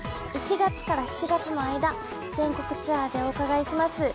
１月から７月の間全国ツアーでお伺いします